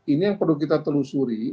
ini yang perlu kita telusuri